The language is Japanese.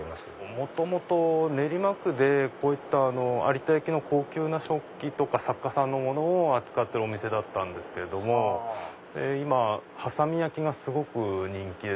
元々練馬区でこういった有田焼の高級な食器とか作家さんのものを扱ってるお店だったんですけれども今波佐見焼がすごく人気で。